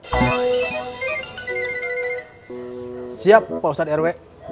siap pak ustadz rw